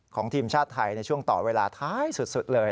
ของทีมชาติไทยในช่วงต่อเวลาท้ายสุดเลย